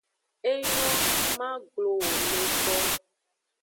Enyo, ma glo wo me kpo.